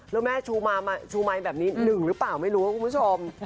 แล้วแม่ชูไม้แบบนี้หนึ่งหรือเปล่าไม่รู้คุณผู้ชม